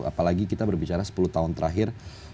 apalagi kita berbicara sepuluh tahun terakhir